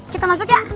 kita masuk ya